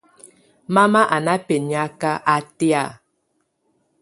Mama á na bɛniaka átɛ̀á.